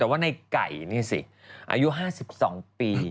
แต่ว่าในไก่นี่สิอายุ๕๒ปี